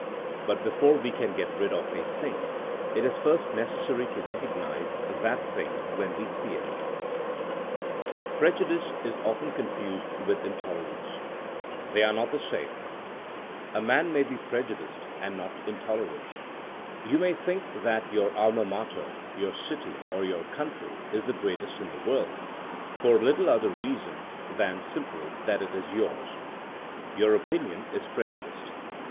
But before we can get rid of a thing it is first necessary to recognize that thing when we see it. 1 Essay, Over Legislation, THINEINO AS A 80IEN0E 101 Prejudice is often confused with intolerance. They are not the same. A man may be preju diced and not intolerant. You may think that your alma mater, your city, or your country, is the greatest in the world, for little other reason than simply that it is yours. Your opinion is prejudiced.